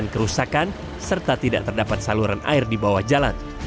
kerusakan serta tidak terdapat saluran air di bawah jalan